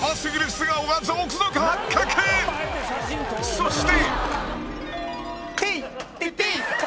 そして